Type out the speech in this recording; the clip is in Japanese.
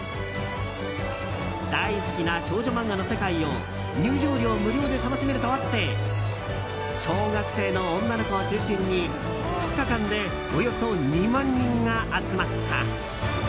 大好きな少女漫画の世界を入場料無料で楽しめるとあって小学生の女の子を中心に２日間でおよそ２万人が集まった。